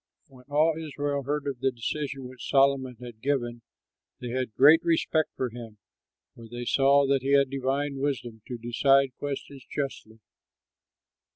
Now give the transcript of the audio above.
When all Israel heard of the decision which Solomon had given, they had great respect for him, for they saw that he had divine wisdom to decide questions justly.